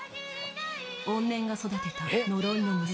怨念が育てた呪いの娘